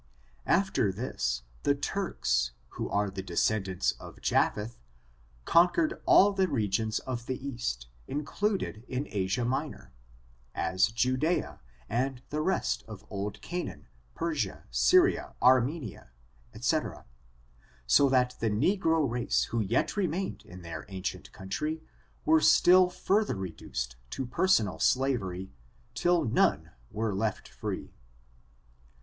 After this the Turks^ who are the descendants of ^/^A^/A, conquered all the regions of the east, includ ed in Asia Minor, as Judea, and the rest of old Ca naan, Persia, Syria, Armenia, &c.; so that the negro race, who yet remained in their ancient country, were still further reduced to personal slavery till none were left free.